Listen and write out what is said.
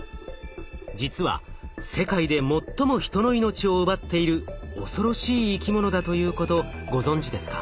実は世界で最も人の命を奪っている恐ろしい生き物だということご存じですか？